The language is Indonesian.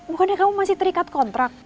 bukannya kamu masih terikat kontrak